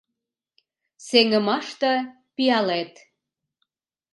Сеҥымаште — пиалет...